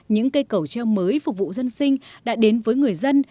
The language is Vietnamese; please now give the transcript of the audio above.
những cây cầu treo mới phục vụ dân sinh đã đến với người dân